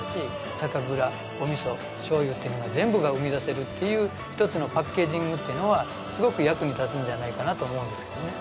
酒蔵お味噌醤油っていうのが全部が生み出せるっていうひとつのパッケージングっていうのはすごく役に立つんじゃないかなと思うんですけどね。